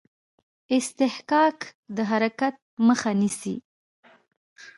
اصطکاک د حرکت مخه نیسي.